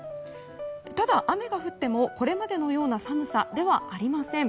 ただ、雨が降ってもこれまでのような寒さではありません。